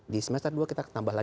di semester dua kita tambah lagi